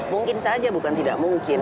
mungkin saja bukan tidak mungkin